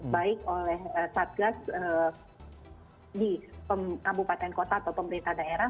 baik oleh satgas di kabupaten kota atau pemerintah daerah